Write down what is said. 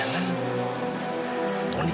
kamu sudah mengingatkan itu